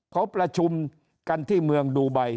เขาประชุมกันที่เมืองดูไบ